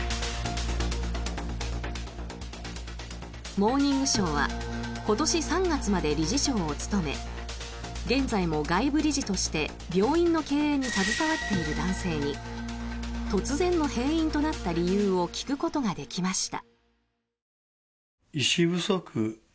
「モーニングショー」は今年３月まで理事長を務め現在も外部理事として病院の経営に携わっている男性に突然の閉院となった理由を聞くことができました。